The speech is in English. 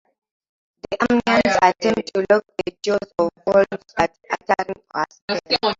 The Armenians attempt to lock the jaws of wolves by uttering a spell.